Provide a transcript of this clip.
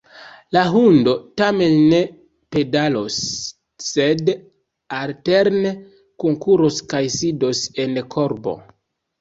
La hundo tamen ne pedalos, sed alterne kunkuros kaj sidos en korbo.